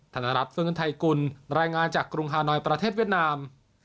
ธนรัฐฟื้นไทยกุลรายงานจากกรุงฮานอยประเทศเวียดนาม